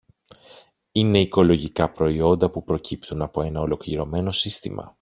Είναι οικολογικά προϊόντα που προκύπτουν από ένα ολοκληρωμένο σύστημα